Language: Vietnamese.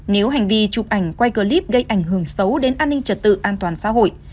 nếu hành vi chụp ảnh quay clip gây ảnh hưởng xấu đến an ninh trật tự an toàn xã hội